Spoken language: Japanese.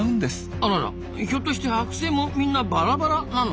あららひょっとしてはく製もみんなバラバラなの？